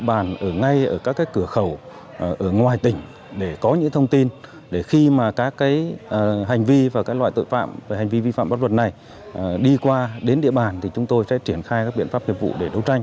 bản ở ngay ở các cái cửa khẩu ở ngoài tỉnh để có những thông tin để khi mà các cái hành vi và các loại tội phạm và hành vi vi phạm bắt luật này đi qua đến địa bàn thì chúng tôi sẽ triển khai các biện pháp hiệp vụ để đấu tranh